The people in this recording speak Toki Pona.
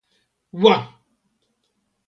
wa!